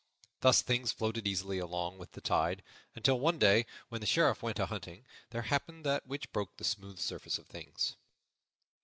Thus things floated easily along with the tide, until one day when the Sheriff went a hunting, there happened that which broke the smooth surface of things.